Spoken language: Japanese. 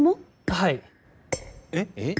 はい。えっ？